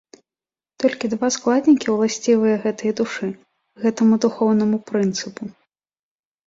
Толькі два складнікі ўласцівыя гэтай душы, гэтаму духоўнаму прынцыпу.